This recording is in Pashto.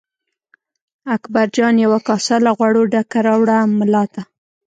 اکبرجان یوه کاسه له غوړو ډکه راوړه ملا ته.